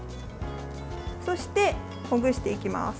そして、ほぐしていきます。